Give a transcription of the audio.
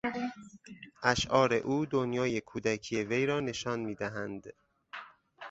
اشعار او دنیای کودکی وی را نشان میدهند.